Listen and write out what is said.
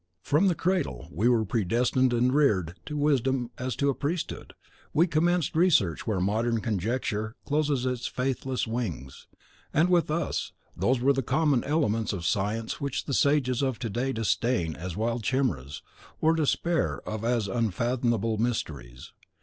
From the cradle we were predestined and reared to wisdom as to a priesthood. We commenced research where modern Conjecture closes its faithless wings. And with us, those were common elements of science which the sages of to day disdain as wild chimeras, or despair of as unfathomable mysteries.